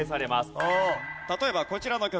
例えばこちらの曲。